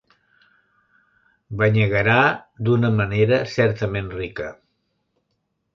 Banyegarà d'una manera certament rica.